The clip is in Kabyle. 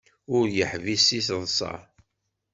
Ur yeḥbis seg teḍsa.